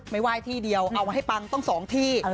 ไม่ไหว้ที่เดียวเอาไว้ให้ปังต้องสองที่